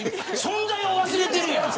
存在を忘れてるやろ。